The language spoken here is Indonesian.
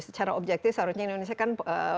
secara objektif seharusnya indonesia kan